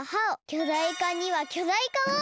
きょだいかにはきょだいかを！